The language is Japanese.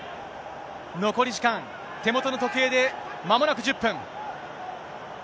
残り時間、手元の時計でまもなく１０分。